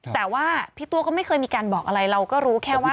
แต่ว่าพี่ตัวก็ไม่เคยมีการบอกอะไรเราก็รู้แค่ว่า